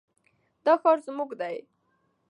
دا ښار زموږ دی.